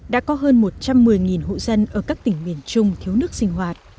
đã có hơn một trăm một mươi hộ dân ở các tỉnh miền trung thiếu nước sinh hoạt